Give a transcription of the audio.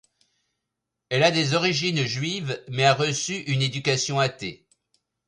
Elle a des origines juives, mais a reçu une éducation athée.